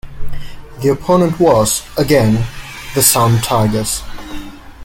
The opponent was, again, the Sound Tigers.